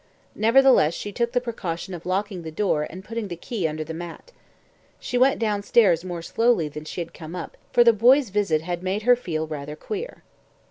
Nevertheless, she took the precaution of locking the door and putting the key under the mat. She went downstairs more slowly than she had come up, for the boy's visit had made her feel rather queer.